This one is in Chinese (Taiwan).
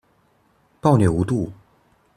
暴虐無度